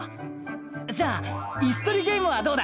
じゃあイスとりゲームはどうだ？